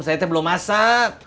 saya itu belum masak